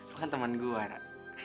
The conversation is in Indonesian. lo kan temen gue ra